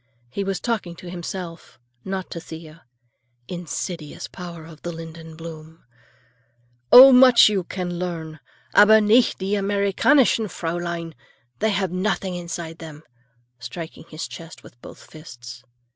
He was talking to himself, not to Thea. Insidious power of the linden bloom! "Oh, much you can learn! Aber nicht die Americanischen Fräulein. They have nothing inside them," striking his chest with both fists.